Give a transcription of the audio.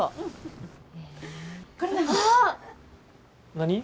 何？